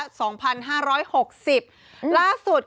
ร้างอะไรนี้ที่เรารู้หน่อย